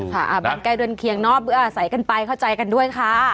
ใช่ค่ะบันกายด่วนเคียงนอบใส่กันไปเข้าใจกันด้วยค่ะ